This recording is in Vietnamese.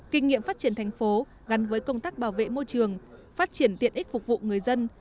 kinh nghiệm phát triển thành phố gắn với công tác bảo vệ môi trường phát triển tiện ích phục vụ người dân